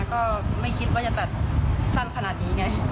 ก็ไม่คิดว่าจะตัดสั้นขนาดนี้ไง